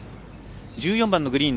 １４番のグリーン。